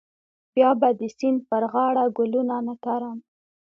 بیا به د سیند پر غاړه ګلونه نه کرم.